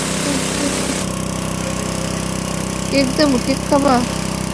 আপনাকে এবং আপনি যাদের পরোয়া করেন, তাদের সবাইকে মেরে ফেলা উচিৎ আমার।